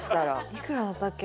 いくらだったっけ？